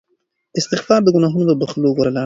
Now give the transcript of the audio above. استغفار د ګناهونو د بخښلو غوره لاره ده.